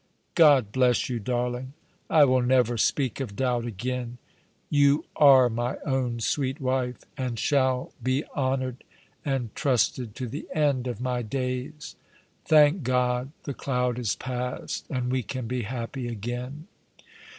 "God bless you, darling! I will never speak of doubt again. You arc my own sweet wife, and shall be honoured and trusted to the end of my days. Thank God, the cloud is past, and we can be happy again